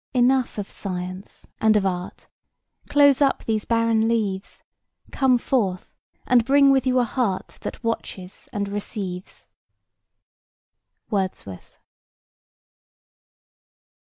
Enough of science and of art: Close up these barren leaves; Come forth, and bring with you a heart That watches and receives." WORDSWORTH.